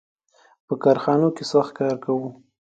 • په کارخانو کې سخت کار و.